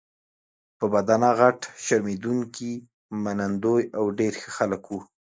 په بدنه غټ، شرمېدونکي، منندوی او ډېر ښه خلک وو.